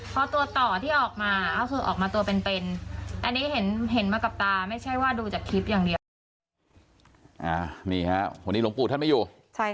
เพราะตัวต่อที่ออกมาก็คือเป็นกลอมเป็น